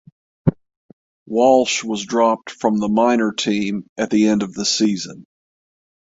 Walsh was dropped from the minor team at the end of the season.